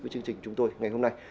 với chương trình chúng tôi ngày hôm nay